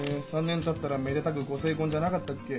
３年たったらめでたくご成婚じゃなかったっけ？